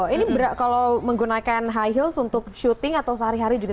ini kalau menggunakan high heels untuk syuting atau sehari hari juga